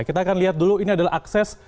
kita akan lihat dulu ini adalah akses